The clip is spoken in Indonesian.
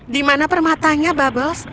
di mana permatanya bubbles